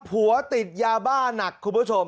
ผัวติดยาบ้าหนักคุณผู้ชม